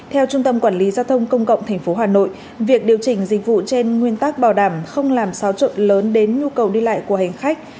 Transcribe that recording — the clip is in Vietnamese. theo trung tâm quản lý giao thông công cộng tp hà nội việc điều chỉnh dịch vụ trên nguyên tắc bảo đảm không làm xáo trộn lớn đến nhu cầu đi lại của hành khách